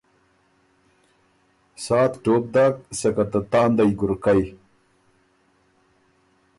سا ت ټوپ داک سکه ته تاندئ ګُرکئ۔